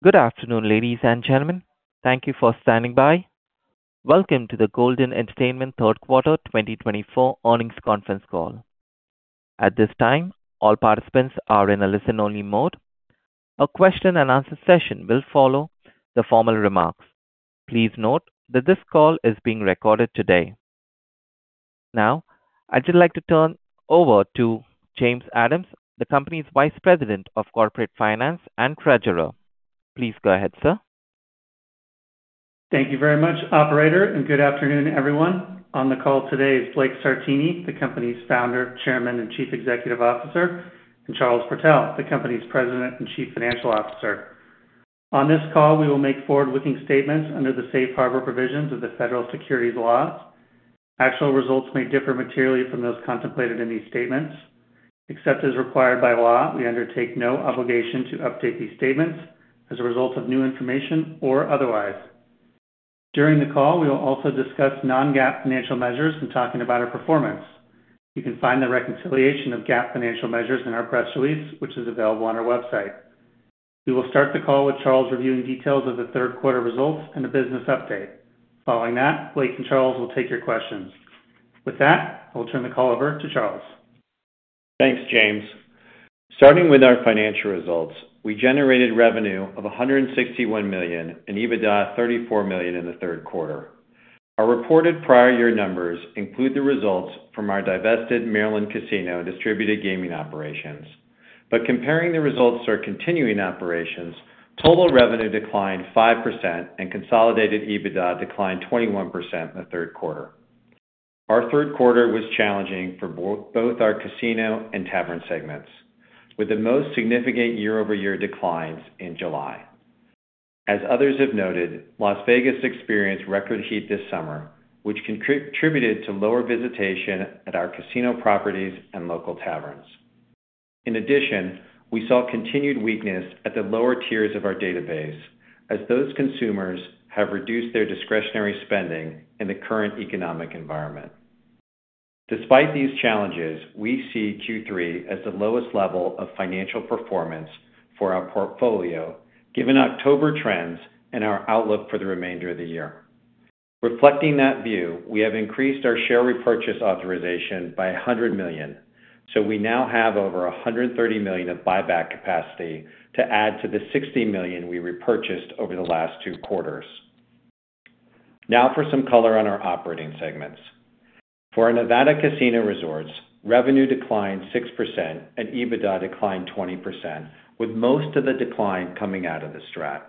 Good afternoon, ladies and gentlemen. Thank you for standing by. Welcome to the Golden Entertainment Third Quarter 2024 earnings conference call. At this time, all participants are in a listen-only mode. A question-and-answer session will follow the formal remarks. Please note that this call is being recorded today. Now, I'd like to turn over to James Adams, the company's Vice President of Corporate Finance and Treasurer. Please go ahead, sir. Thank you very much, Operator, and good afternoon, everyone. On the call today is Blake Sartini, the company's founder, Chairman, and Chief Executive Officer, and Charles Protell, the company's President and Chief Financial Officer. On this call, we will make forward-looking statements under the safe harbor provisions of the federal securities laws. Actual results may differ materially from those contemplated in these statements. Except as required by law, we undertake no obligation to upda0te these statements as a result of new information or otherwise. During the call, we will also discuss non-GAAP financial measures and talk about our performance. You can find the reconciliation of GAAP financial measures in our press release, which is available on our website. We will start the call with Charles reviewing details of the third quarter results and a business update. Following that, Blake and Charles will take your questions. With that, I will turn the call over to Charles. Thanks, James. Starting with our financial results, we generated revenue of $161 million and EBITDA of $34 million in the third quarter. Our reported prior-year numbers include the results from our divested Maryland casino distributed gaming operations, but comparing the results to our continuing operations, total revenue declined 5% and consolidated EBITDA declined 21% in the third quarter. Our third quarter was challenging for both our casino and tavern segments, with the most significant year-over-year declines in July. As others have noted, Las Vegas experienced record heat this summer, which contributed to lower visitation at our casino properties and local taverns. In addition, we saw continued weakness at the lower tiers of our database, as those consumers have reduced their discretionary spending in the current economic environment. Despite these challenges, we see Q3 as the lowest level of financial performance for our portfolio, given October trends and our outlook for the remainder of the year. Reflecting that view, we have increased our share repurchase authorization by $100 million, so we now have over $130 million of buyback capacity to add to the $60 million we repurchased over the last two quarters. Now for some color on our operating segments. For our Nevada Casino Resorts, revenue declined 6% and EBITDA declined 20%, with most of the decline coming out of the STRAT.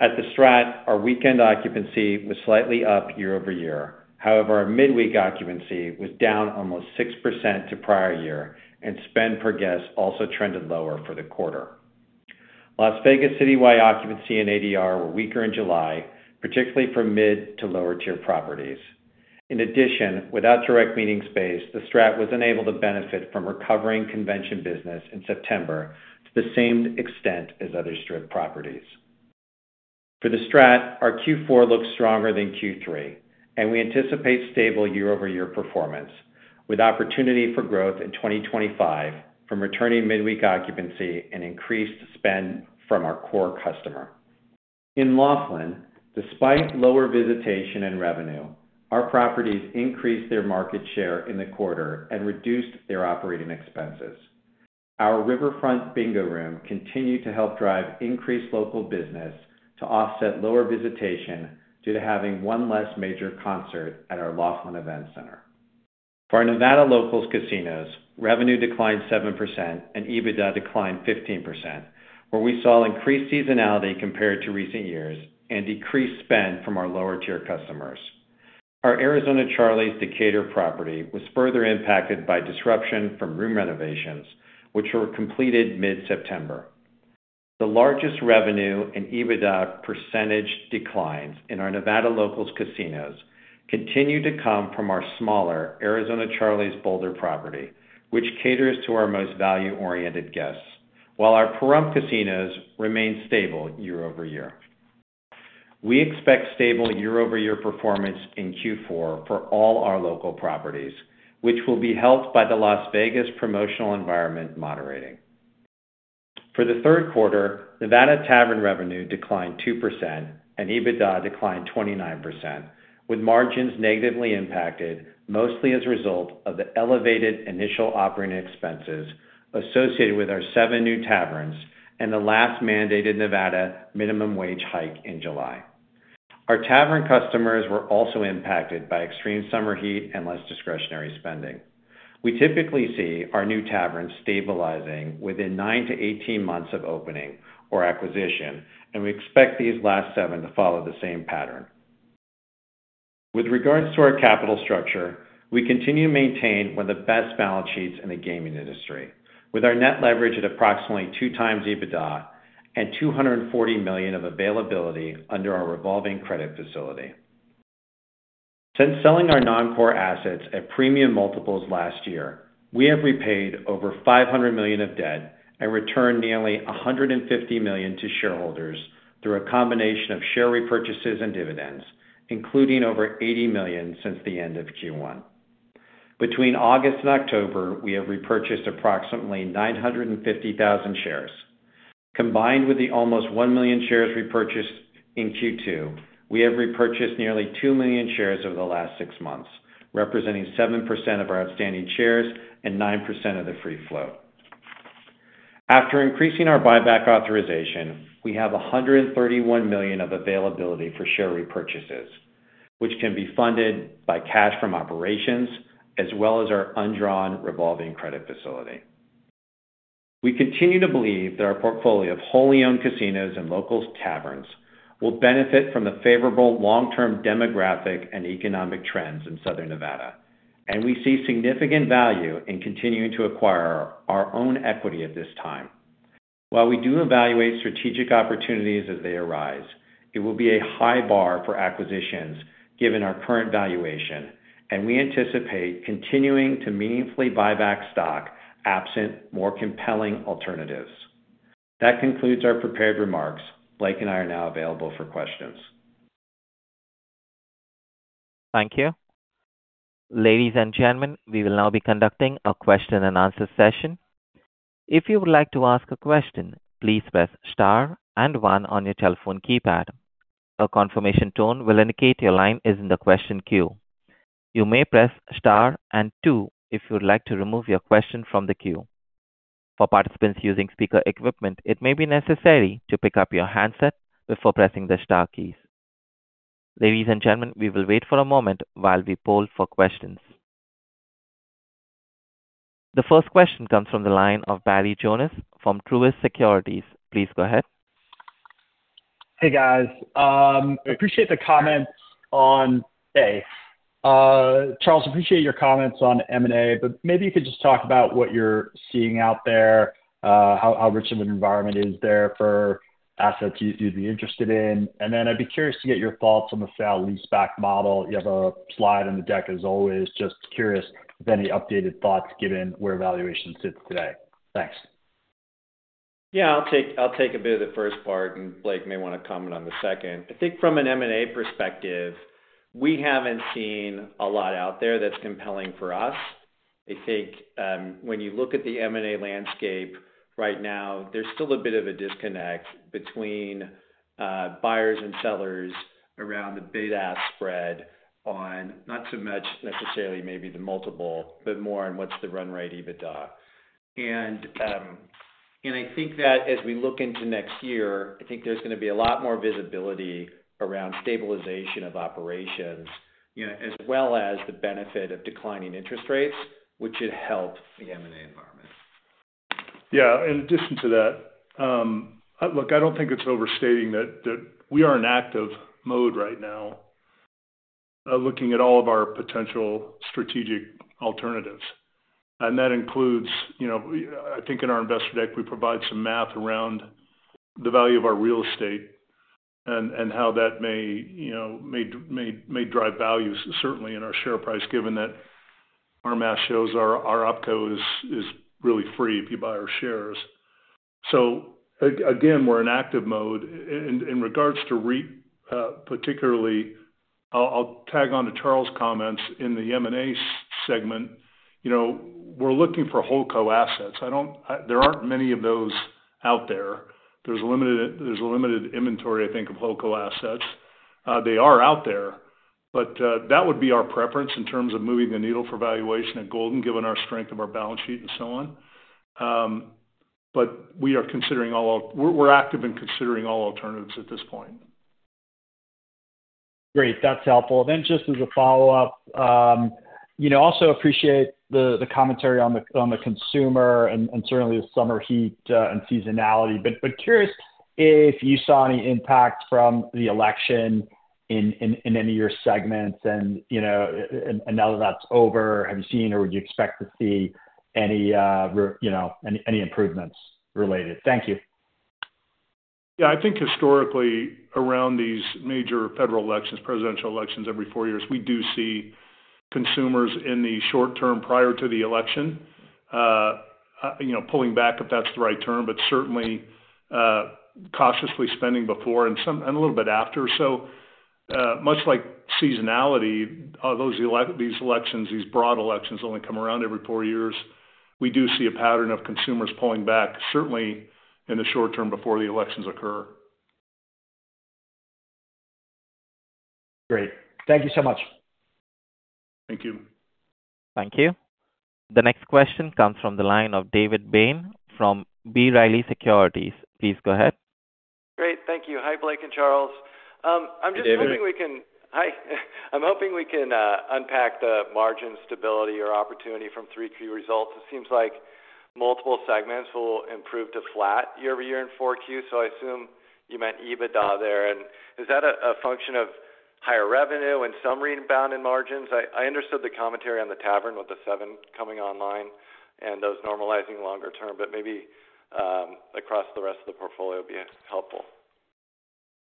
At the STRAT, our weekend occupancy was slightly up year-over-year. However, our midweek occupancy was down almost 6% to prior year, and spend per guest also trended lower for the quarter. Las Vegas City-wide occupancy and ADR were weaker in July, particularly for mid- to lower-tier properties. In addition, without direct meeting space, the STRAT was unable to benefit from recovering convention business in September to the same extent as other Strip properties. For the STRAT, our Q4 looks stronger than Q3, and we anticipate stable year-over-year performance, with opportunity for growth in 2025 from returning midweek occupancy and increased spend from our core customer. In Laughlin, despite lower visitation and revenue, our properties increased their market share in the quarter and reduced their operating expenses. Our riverfront bingo room continued to help drive increased local business to offset lower visitation due to having one less major concert at our Laughlin Event Center. For our Nevada locals' casinos, revenue declined 7% and EBITDA declined 15%, where we saw increased seasonality compared to recent years and decreased spend from our lower-tier customers. Our Arizona Charlie's Decatur property was further impacted by disruption from room renovations, which were completed mid-September. The largest revenue and EBITDA percentage declines in our Nevada locals' casinos continue to come from our smaller Arizona Charlie's Boulder property, which caters to our most value-oriented guests, while our Pahrump casinos remain stable year-over-year. We expect stable year-over-year performance in Q4 for all our local properties, which will be helped by the Las Vegas promotional environment moderating. For the third quarter, Nevada tavern revenue declined 2% and EBITDA declined 29%, with margins negatively impacted, mostly as a result of the elevated initial operating expenses associated with our seven new taverns and the last mandated Nevada minimum wage hike in July. Our tavern customers were also impacted by extreme summer heat and less discretionary spending. We typically see our new taverns stabilizing within nine to 18 months of opening or acquisition, and we expect these last seven to follow the same pattern. With regards to our capital structure, we continue to maintain one of the best balance sheets in the gaming industry, with our net leverage at approximately two times EBITDA and $240 million of availability under our revolving credit facility. Since selling our non-core assets at premium multiples last year, we have repaid over $500 million of debt and returned nearly $150 million to shareholders through a combination of share repurchases and dividends, including over $80 million since the end of Q1. Between August and October, we have repurchased approximately 950,000 shares. Combined with the almost 1 million shares repurchased in Q2, we have repurchased nearly 2 million shares over the last six months, representing 7% of our outstanding shares and 9% of the free float. After increasing our buyback authorization, we have $131 million of availability for share repurchases, which can be funded by cash from operations as well as our undrawn revolving credit facility. We continue to believe that our portfolio of wholly-owned casinos and locals' taverns will benefit from the favorable long-term demographic and economic trends in Southern Nevada, and we see significant value in continuing to acquire our own equity at this time. While we do evaluate strategic opportunities as they arise, it will be a high bar for acquisitions given our current valuation, and we anticipate continuing to meaningfully buy back stock absent more compelling alternatives. That concludes our prepared remarks. Blake and I are now available for questions. Thank you. Ladies and gentlemen, we will now be conducting a question-and-answer session. If you would like to ask a question, please press star and one on your telephone keypad. A confirmation tone will indicate your line is in the question queue. You may press star and two if you would like to remove your question from the queue. For participants using speaker equipment, it may be necessary to pick up your handset before pressing the star keys. Ladies and gentlemen, we will wait for a moment while we poll for questions. The first question comes from the line of Barry Jonas from Truist Securities. Please go ahead. Hey, guys. I appreciate the comments on today. Charles, I appreciate your comments on M&A, but maybe you could just talk about what you're seeing out there, how rich of an environment is there for assets you'd be interested in, and then I'd be curious to get your thoughts on the sale leaseback model. You have a slide on the deck, as always. Just curious if any updated thoughts given where valuation sits today? Thanks. Yeah, I'll take a bit of the first part, and Blake may want to comment on the second. I think from an M&A perspective, we haven't seen a lot out there that's compelling for us. I think when you look at the M&A landscape right now, there's still a bit of a disconnect between buyers and sellers around the bid-ask spread on not so much necessarily maybe the multiple, but more on what's the run rate EBITDA. And I think that as we look into next year, I think there's going to be a lot more visibility around stabilization of operations, as well as the benefit of declining interest rates, which should help the M&A environment. Yeah. In addition to that, look, I don't think it's overstating that we are in active mode right now looking at all of our potential strategic alternatives. And that includes, I think in our investor deck, we provide some math around the value of our real estate and how that may drive values, certainly in our share price, given that our math shows our OpCo is really free if you buy our shares. So again, we're in active mode. In regards to REIT, particularly, I'll tag on to Charles' comments in the M&A segment. We're looking for Whole Co assets. There aren't many of those out there. There's a limited inventory, I think, of WholeCo assets. They are out there, but that would be our preference in terms of moving the needle for valuation at Golden, given our strength of our balance sheet and so on. But we are considering all, we're active in considering all alternatives at this point. Great. That's helpful. Then just as a follow-up, also appreciate the commentary on the consumer and certainly the summer heat and seasonality. But curious if you saw any impact from the election in any of your segments, and now that that's over, have you seen or would you expect to see any improvements related? Thank you. Yeah. I think historically, around these major federal elections, presidential elections every four years, we do see consumers in the short term prior to the election pulling back, if that's the right term, but certainly cautiously spending before and a little bit after, so much like seasonality, these elections, these broad elections only come around every four years, we do see a pattern of consumers pulling back, certainly in the short term before the elections occur. Great. Thank you so much. Thank you. Thank you. The next question comes from the line of David Bain from B. Riley Securities. Please go ahead. Great. Thank you. Hi, Blake and Charles. I'm hoping we can unpack the margin stability or opportunity from Q3 results. It seems like multiple segments will improve to flat year-over-year in Q4, so I assume you meant EBITDA there. And is that a function of higher revenue and some rebound in margins? I understood the commentary on the tavern with the seven coming online and those normalizing longer term, but maybe across the rest of the portfolio would be helpful.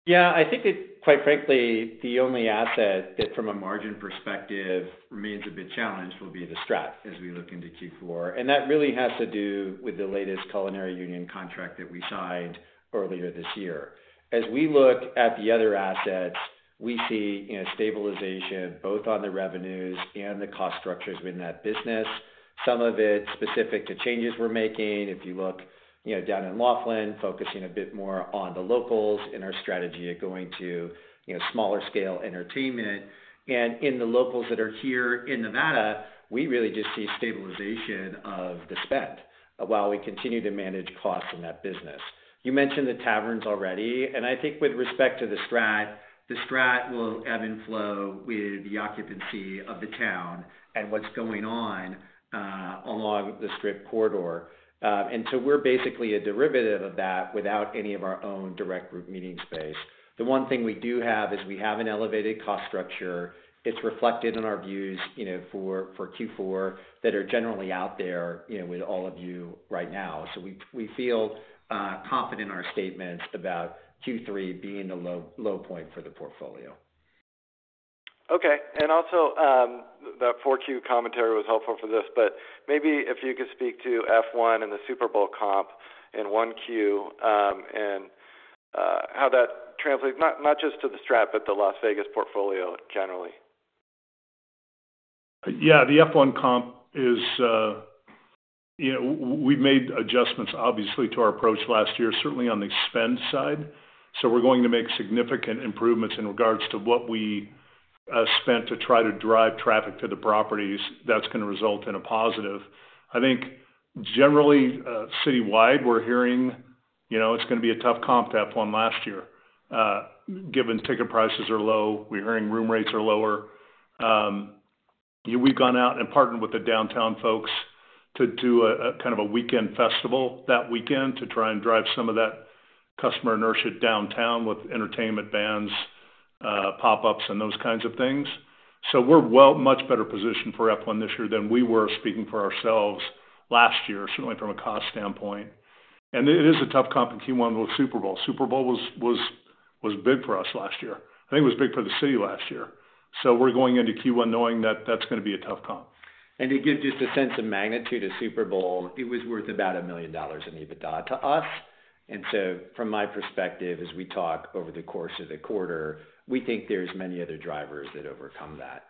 Yeah. I think that, quite frankly, the only asset that from a margin perspective remains a bit challenged will be The STRAT as we look into Q4. And that really has to do with the latest Culinary Union contract that we signed earlier this year. As we look at the other assets, we see stabilization both on the revenues and the cost structures within that business, some of it specific to changes we're making. If you look down in Laughlin, focusing a bit more on the locals in our strategy of going to smaller scale entertainment. And in the locals that are here in Nevada, we really just see stabilization of the spend while we continue to manage costs in that business. You mentioned the taverns already, and I think with respect to the Strat, the Strat will ebb and flow with the occupancy of the town and what's going on along the Strip corridor, and so we're basically a derivative of that without any of our own direct meeting space. The one thing we do have is we have an elevated cost structure. It's reflected in our views for Q4 that are generally out there with all of you right now, so we feel confident in our statements about Q3 being the low point for the portfolio. Okay. And also that Q4 commentary was helpful for this, but maybe if you could speak to F1 and the Super Bowl comp in Q1 and how that translates not just to the STRAT, but the Las Vegas portfolio generally. Yeah. The F1 comp is we've made adjustments, obviously, to our approach last year, certainly on the spend side. So we're going to make significant improvements in regards to what we spent to try to drive traffic to the properties. That's going to result in a positive. I think generally citywide, we're hearing it's going to be a tough comp to F1 last year given ticket prices are low. We're hearing room rates are lower. We've gone out and partnered with the downtown folks to do a kind of a weekend festival that weekend to try and drive some of that customer inertia downtown with entertainment bands, pop-ups, and those kinds of things. So we're much better positioned for F1 this year than we were speaking for ourselves last year, certainly from a cost standpoint, and it is a tough comp in Q1 with Super Bowl. Super Bowl was big for us last year. I think it was big for the city last year. So we're going into Q1 knowing that that's going to be a tough comp. And to give just a sense of magnitude of Super Bowl, it was worth about $1 million in EBITDA to us. And so from my perspective, as we talk over the course of the quarter, we think there's many other drivers that overcome that.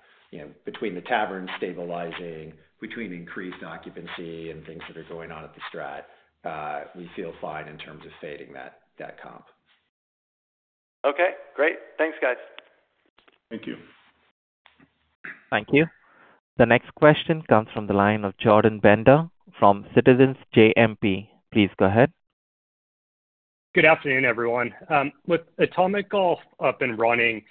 Between the tavern stabilizing, between increased occupancy and things that are going on at the Strat, we feel fine in terms of fading that comp. Okay. Great. Thanks, guys. Thank you. Thank you. The next question comes from the line of Jordan Bender from Citizens JMP. Please go ahead. Good afternoon, everyone. With Atomic Golf up and running,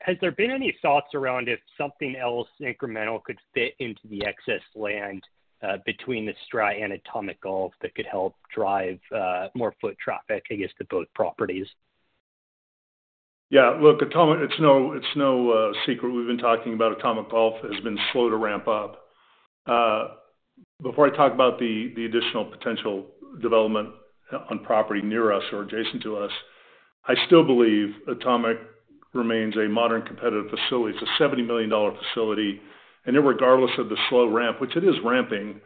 has there been any thoughts around if something else incremental could fit into the excess land between the Strat and Atomic Golf that could help drive more foot traffic to both properties? Yeah. Look, it's no secret we've been talking about Atomic Golf has been slow to ramp up. Before I talk about the additional potential development on property near us or adjacent to us, I still believe Atomic remains a modern competitive facility. It's a $70 million facility. Regardless of the slow ramp, which it is ramping,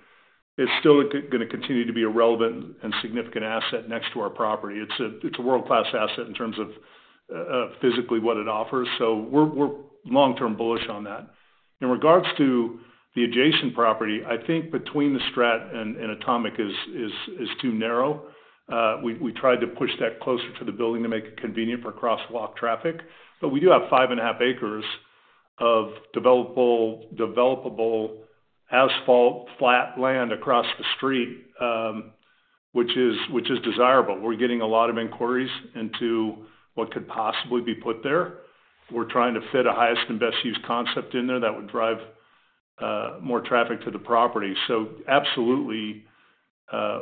it's still going to continue to be a relevant and significant asset next to our property. It's a world-class asset in terms of physically what it offers. So we're long-term bullish on that. In regards to the adjacent property, I think between The STRAT and Atomic is too narrow. We tried to push that closer to the building to make it convenient for crosswalk traffic. But we do have five and a half acres of developable asphalt flat land across the street, which is desirable. We're getting a lot of inquiries into what could possibly be put there. We're trying to fit a highest and best use concept in there that would drive more traffic to the property. So absolutely,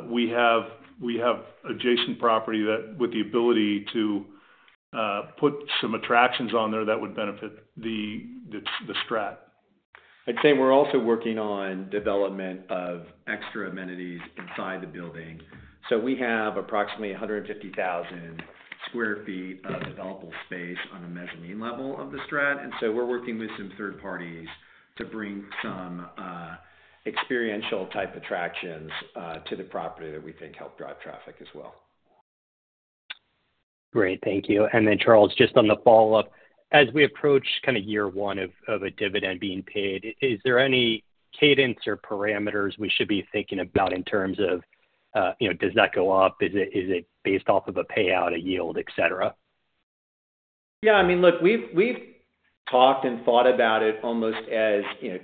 we have adjacent property with the ability to put some attractions on there that would benefit the STRAT. I'd say we're also working on development of extra amenities inside the building. So we have approximately 150,000 sq ft of developable space on a mezzanine level of The STRAT. And so we're working with some third parties to bring some experiential type attractions to the property that we think help drive traffic as well. Great. Thank you. And then Charles, just on the follow-up, as we approach kind of year one of a dividend being paid, is there any cadence or parameters we should be thinking about in terms of does that go up? Is it based off of a payout, a yield, etc.? Yeah. I mean, look, we've talked and thought about it almost as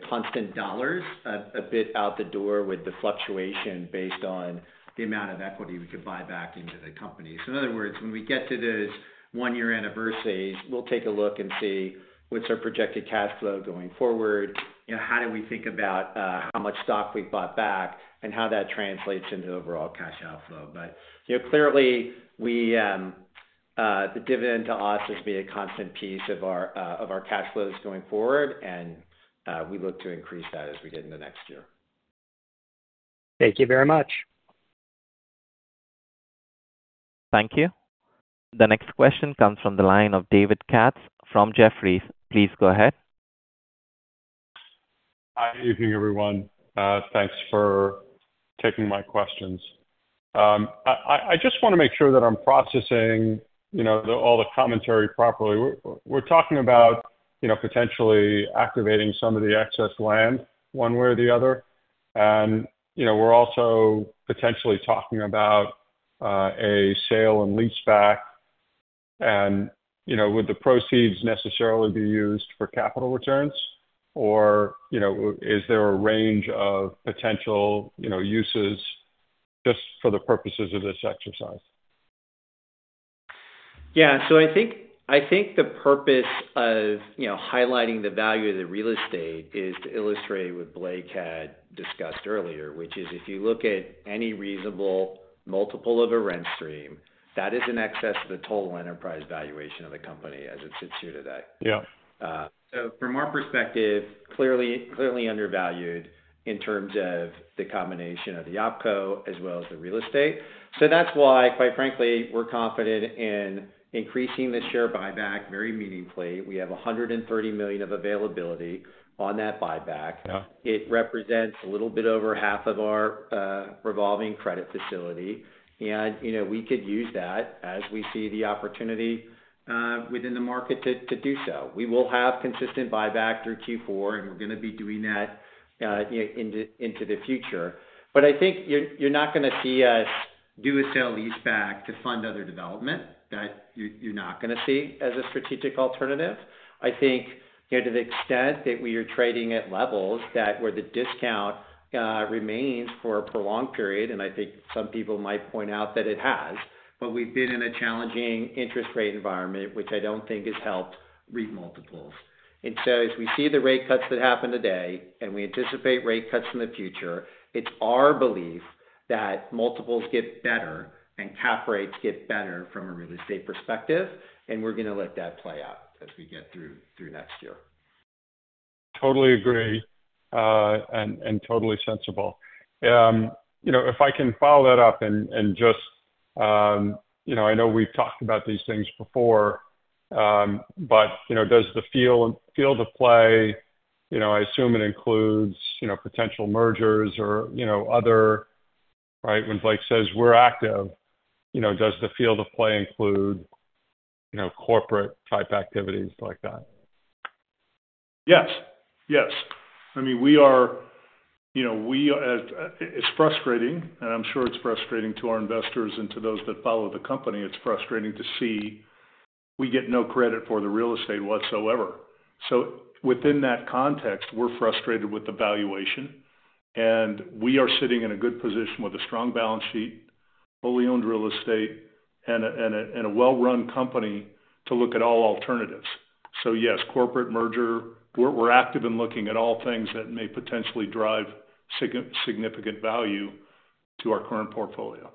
constant dollars, a bit out the door with the fluctuation based on the amount of equity we could buy back into the company, so in other words, when we get to those one-year anniversaries, we'll take a look and see what's our projected cash flow going forward, how do we think about how much stock we bought back, and how that translates into overall cash outflow, but clearly, the dividend to us is going to be a constant piece of our cash flows going forward, and we look to increase that as we get into next year. Thank you very much. Thank you. The next question comes from the line of David Katz from Jefferies. Please go ahead. Hi, good evening, everyone. Thanks for taking my questions. I just want to make sure that I'm processing all the commentary properly. We're talking about potentially activating some of the excess land one way or the other. And we're also potentially talking about a sale and leaseback. And would the proceeds necessarily be used for capital returns, or is there a range of potential uses just for the purposes of this exercise? Yeah, so I think the purpose of highlighting the value of the real estate is to illustrate what Blake had discussed earlier, which is if you look at any reasonable multiple of a rent stream, that is in excess of the total enterprise valuation of the company as it sits here today. Yeah. So from our perspective, clearly undervalued in terms of the combination of the OpCo as well as the real estate. So that's why, quite frankly, we're confident in increasing the share buyback very meaningfully. We have $130 million of availability on that buyback. It represents a little bit over half of our revolving credit facility. And we could use that as we see the opportunity within the market to do so. We will have consistent buyback through Q4, and we're going to be doing that into the future. But I think you're not going to see us do a sale leaseback to fund other development. You're not going to see as a strategic alternative. I think to the extent that we are trading at levels where the discount remains for a prolonged period, and I think some people might point out that it has, but we've been in a challenging interest rate environment, which I don't think has helped REIT multiples, and so as we see the rate cuts that happen today, and we anticipate rate cuts in the future, it's our belief that multiples get better and cap rates get better from a real estate perspective, and we're going to let that play out as we get through next year. Totally agree and totally sensible. If I can follow that up and just I know we've talked about these things before, but does the field of play, I assume it includes potential mergers or other? Right? When Blake says we're active, does the field of play include corporate-type activities like that? Yes. Yes. I mean, we're. It's frustrating, and I'm sure it's frustrating to our investors and to those that follow the company. It's frustrating to see we get no credit for the real estate whatsoever. So within that context, we're frustrated with the valuation, and we are sitting in a good position with a strong balance sheet, fully owned real estate, and a well-run company to look at all alternatives, so yes, corporate merger, we're active in looking at all things that may potentially drive significant value to our current portfolio.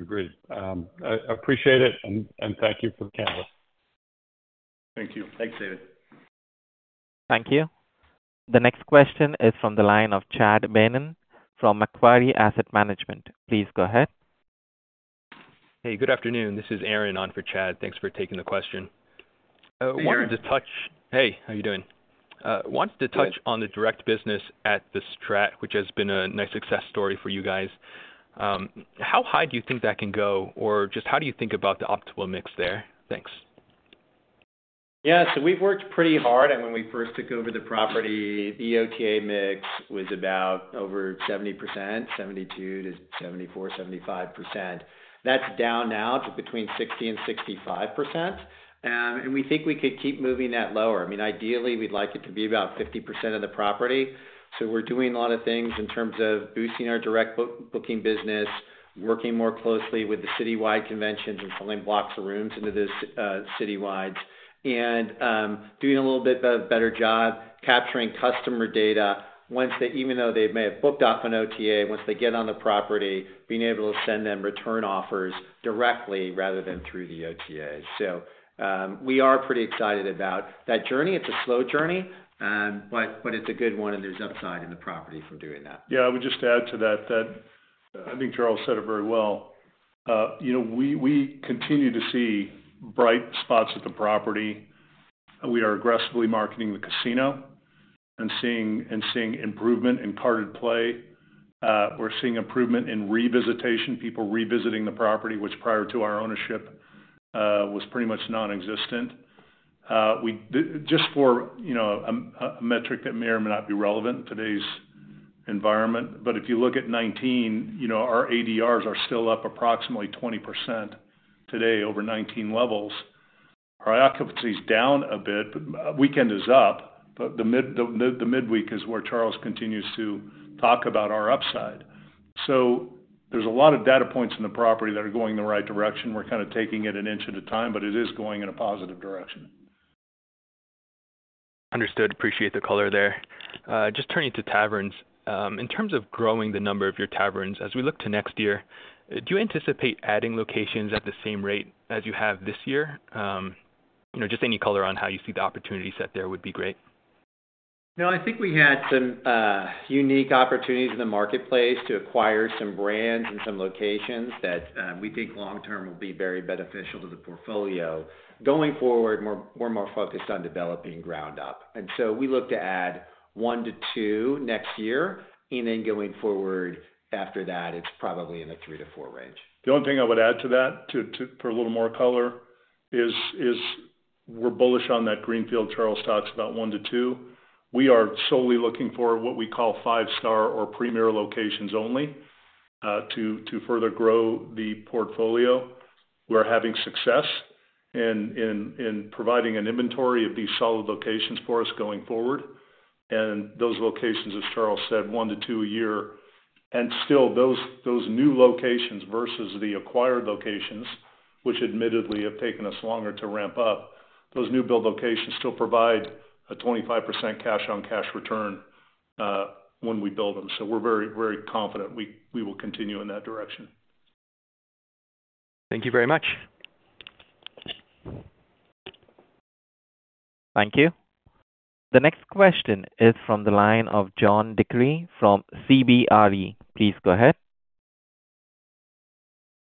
Agreed. I appreciate it, and thank you for the candid. Thank you. Thanks, David. Thank you. The next question is from the line of Chad Beynon from Macquarie Asset Management. Please go ahead. Hey, good afternoon. This is Aaron on for Chad. Thanks for taking the question. Yes. Hey, how are you doing? Wants to touch on the direct business at the Strat, which has been a nice success story for you guys. How high do you think that can go, or just how do you think about the optimal mix there? Thanks. Yeah. So we've worked pretty hard. And when we first took over the property, the OTA mix was about over 70%, 72-74, 75%. That's down now to between 60% and 65%. And we think we could keep moving that lower. I mean, ideally, we'd like it to be about 50% of the property. So we're doing a lot of things in terms of boosting our direct booking business, working more closely with the citywide conventions and pulling blocks of rooms into the citywides, and doing a little bit of a better job capturing customer data once they, even though they may have booked off an OTA, once they get on the property, being able to send them return offers directly rather than through the OTA. So we are pretty excited about that journey. It's a slow journey, but it's a good one, and there's upside in the property from doing that. Yeah. I would just add to that that I think Charles said it very well. We continue to see bright spots at the property. We are aggressively marketing the casino and seeing improvement in carded play. We're seeing improvement in revisitation, people revisiting the property, which prior to our ownership was pretty much nonexistent. Just for a metric that may or may not be relevant in today's environment. But if you look at 2019, our ADRs are still up approximately 20% today over 2019 levels. Our occupancy is down a bit. Weekend is up, but the midweek is where Charles continues to talk about our upside. So there's a lot of data points in the property that are going the right direction. We're kind of taking it an inch at a time, but it is going in a positive direction. Understood. Appreciate the color there. Just turning to taverns. In terms of growing the number of your taverns, as we look to next year, do you anticipate adding locations at the same rate as you have this year? Just any color on how you see the opportunity set there would be great. No, I think we had some unique opportunities in the marketplace to acquire some brands and some locations that we think long-term will be very beneficial to the portfolio. Going forward, we're more focused on developing ground up. And so we look to add one to two next year. And then going forward after that, it's probably in the three to four range. The only thing I would add to that for a little more color is we're bullish on that greenfield Charles talks about, one to two. We are solely looking for what we call five-star or premier locations only to further grow the portfolio. We're having success in providing an inventory of these solid locations for us going forward. And those locations, as Charles said, one to two a year. And still, those new locations versus the acquired locations, which admittedly have taken us longer to ramp up, those new build locations still provide a 25% cash-on-cash return when we build them. So we're very, very confident we will continue in that direction. Thank you very much. Thank you. The next question is from the line of John DeCree from CBRE. Please go ahead.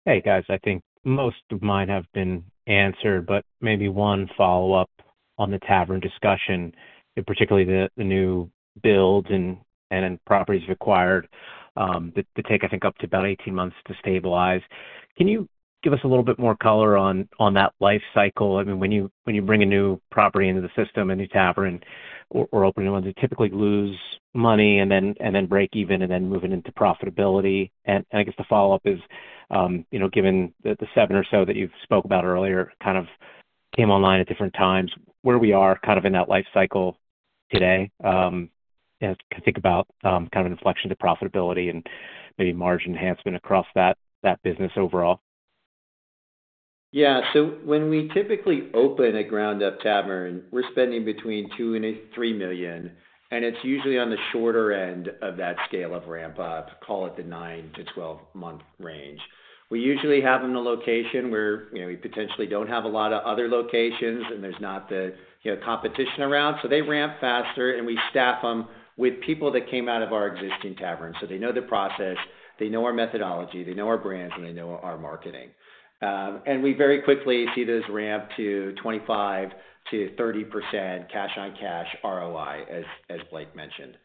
Hey, guys. I think most of mine have been answered, but maybe one follow-up on the tavern discussion, particularly the new builds and properties required to take, I think, up to about 18 months to stabilize. Can you give us a little bit more color on that life cycle? I mean, when you bring a new property into the system, a new tavern, or opening ones, you typically lose money and then break even and then move it into profitability. And I guess the follow-up is, given the seven or so that you've spoke about earlier, kind of came online at different times, where we are kind of in that life cycle today? I think about kind of an inflection to profitability and maybe margin enhancement across that business overall. Yeah. So when we typically open a ground-up tavern, we're spending between $2 and $3 million. And it's usually on the shorter end of that scale of ramp-up, call it the 9-12-month range. We usually have them in a location where we potentially don't have a lot of other locations, and there's not the competition around. So they ramp faster, and we staff them with people that came out of our existing tavern. So they know the process. They know our methodology. They know our brands, and they know our marketing. And we very quickly see those ramp to 25%-30% cash-on-cash ROI, as Blake mentioned.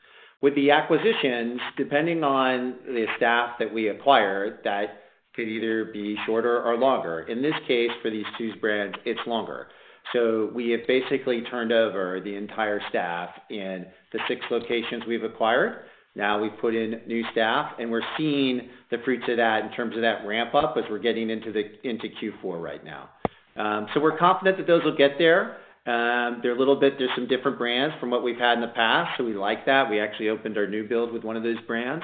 With the acquisitions, depending on the staff that we acquired, that could either be shorter or longer. In this case, for these two brands, it's longer. So we have basically turned over the entire staff in the six locations we've acquired. Now we've put in new staff, and we're seeing the fruits of that in terms of that ramp-up as we're getting into Q4 right now. So we're confident that those will get there. They're a little bit. There's some different brands from what we've had in the past. So we like that. We actually opened our new build with one of those brands.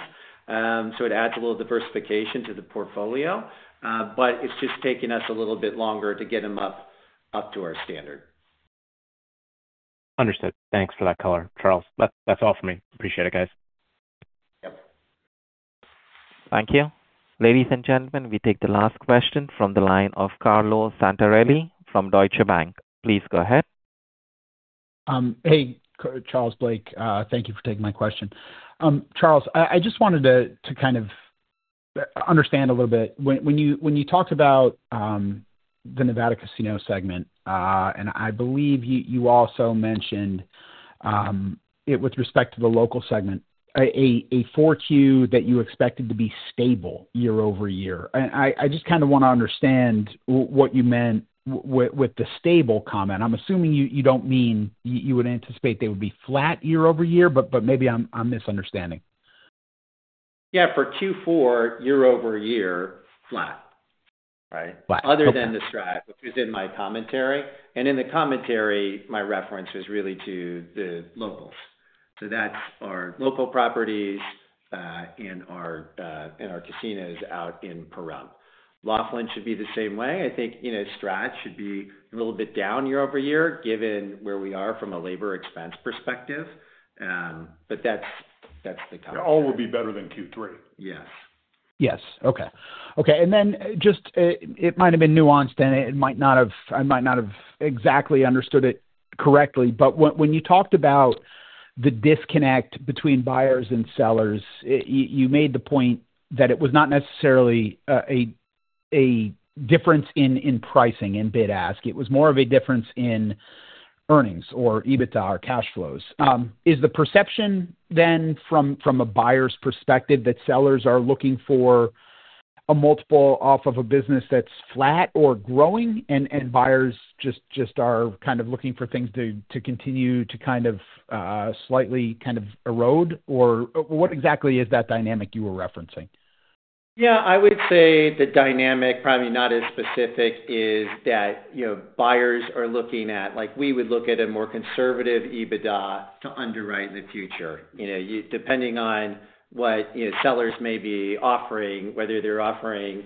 So it adds a little diversification to the portfolio. But it's just taken us a little bit longer to get them up to our standard. Understood. Thanks for that color, Charles. That's all for me. Appreciate it, guys. Yep. Thank you. Ladies and gentlemen, we take the last question from the line of Carlo Santarelli from Deutsche Bank. Please go ahead. Hey, Charles, Blake. Thank you for taking my question. Charles, I just wanted to kind of understand a little bit. When you talked about the Nevada Casino segment, and I believe you also mentioned it with respect to the local segment, a fortitude that you expected to be stable year over year, and I just kind of want to understand what you meant with the stable comment. I'm assuming you don't mean you would anticipate they would be flat year over year, but maybe I'm misunderstanding. Yeah. For Q4, year over year, flat, right? Other than the Strat, which was in my commentary, and in the commentary, my reference was really to the locals. So that's our local properties and our casinos out in Pahrump. Laughlin should be the same way. I think Strat should be a little bit down year over year, given where we are from a labor expense perspective. But that's the commentary. That all would be better than Q3. Yes. Yes. Okay. Okay. And then, just, it might have been nuanced, and I might not have exactly understood it correctly. But when you talked about the disconnect between buyers and sellers, you made the point that it was not necessarily a difference in pricing in bid-ask; it was more of a difference in earnings or EBITDA or cash flows. Is the perception then from a buyer's perspective that sellers are looking for a multiple off of a business that's flat or growing, and buyers just are kind of looking for things to continue to kind of slightly kind of erode? Or what exactly is that dynamic you were referencing? Yeah. I would say the dynamic, probably not as specific, is that buyers are looking at we would look at a more conservative EBITDA to underwrite in the future, depending on what sellers may be offering, whether they're offering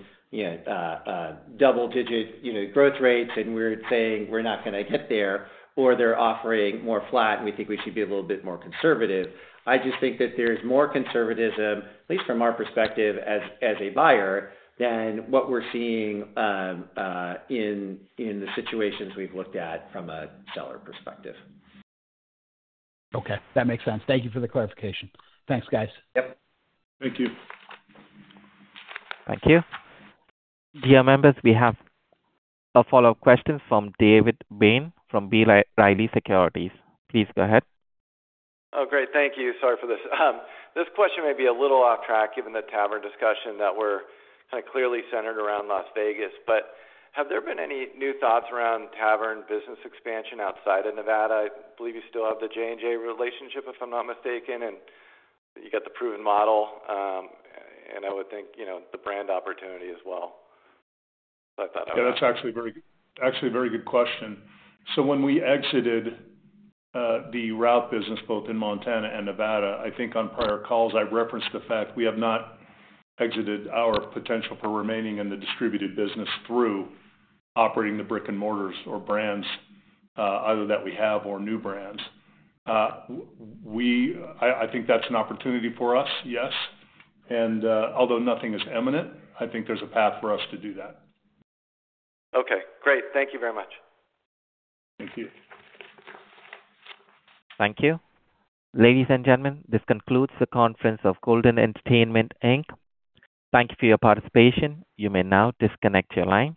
double-digit growth rates and we're saying, "We're not going to get there," or they're offering more flat, and we think we should be a little bit more conservative. I just think that there's more conservatism, at least from our perspective as a buyer, than what we're seeing in the situations we've looked at from a seller perspective. Okay. That makes sense. Thank you for the clarification. Thanks, guys. Yep. Thank you. Thank you. Dear members, we have a follow-up question from David Bain from B. Riley Securities. Please go ahead. Oh, great. Thank you. Sorry for this. This question may be a little off track given the tavern discussion that we're kind of clearly centered around Las Vegas. But have there been any new thoughts around tavern business expansion outside of Nevada? I believe you still have the J&J relationship, if I'm not mistaken, and you got the proven model. And I would think the brand opportunity as well. So I thought I would. Yeah. That's actually a very good question. So when we exited the Route business both in Montana and Nevada, I think on prior calls, I referenced the fact we have not exited our potential for remaining in the distributed business through operating the brick-and-mortars or brands, either that we have or new brands. I think that's an opportunity for us, yes. And although nothing is imminent, I think there's a path for us to do that. Okay. Great. Thank you very much. Thank you. Thank you. Ladies and gentlemen, this concludes the conference of Golden Entertainment Inc. Thank you for your participation. You may now disconnect your lines.